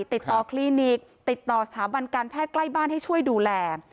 คลินิกติดต่อสถาบันการแพทย์ใกล้บ้านให้ช่วยดูแล